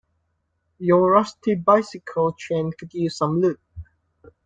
Your rusty bicycle chain could use some lube.